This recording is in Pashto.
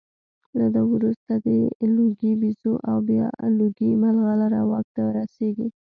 له ده وروسته د لوګي بیزو او بیا لوګي مرغلره واک ته رسېږي